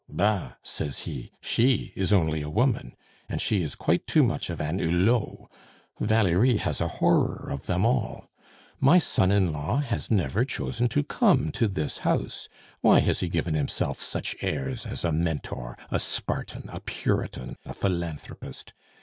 'Bah!' says he, 'she is only a woman! And she is quite too much of a Hulot. Valerie has a horror of them all. My son in law has never chosen to come to this house; why has he given himself such airs as a Mentor, a Spartan, a Puritan, a philanthropist?